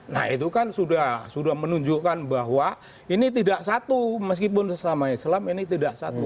nah itu kan sudah menunjukkan bahwa ini tidak satu meskipun sesama islam ini tidak satu